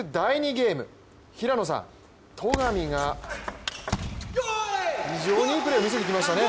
ゲーム、平野さん、戸上が非常にいいプレーを見せてきましたね。